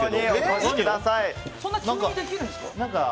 そんな急にできるんですか？